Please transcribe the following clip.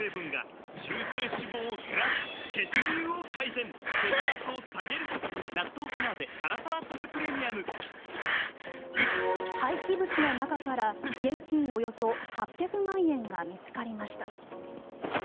なんで期限が区切られて廃棄物の中から現金およそ８００万円が見つかりました。